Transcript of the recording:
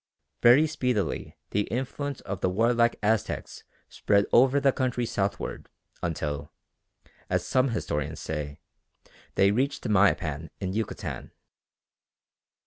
Very speedily the influence of the warlike Aztecs spread over the country southward until, as some historians say, they reached Mayapan in Yucatan.